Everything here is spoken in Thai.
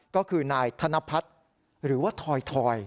ก็คือนายธนพัฒน์หรือว่าทอย